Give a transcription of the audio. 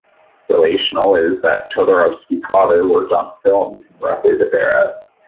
Relational is that Todorovsky's father worked on film in roughly this era.